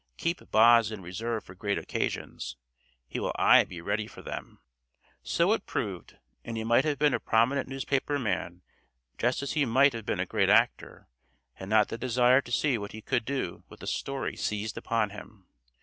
Keep 'Boz' in reserve for great occasions. He will aye be ready for them." So it proved, and he might have been a prominent newspaper man just as he might have been a great actor had not the desire to see what he could do with a story seized upon him.